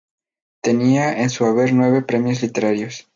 Tiene en su haber nueve premios literarios.